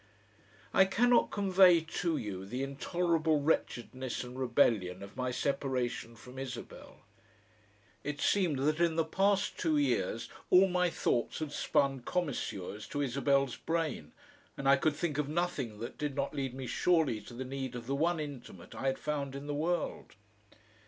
I cannot convey to you the intolerable wretchedness and rebellion of my separation from Isabel. It seemed that in the past two years all my thoughts had spun commisures to Isabel's brain and I could think of nothing that did not lead me surely to the need of the one intimate I had found in the world.